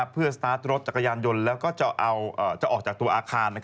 เพื่อสตาร์ทรถจักรยานยนต์แล้วก็จะออกจากตัวอาคาร